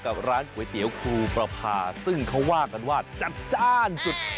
กับร้านก๋วยเตี๋ยวครูประพาซึ่งเขาว่ากันว่าจัดจ้านสุด